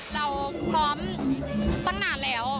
เราพร้อมตั้งนานแล้ว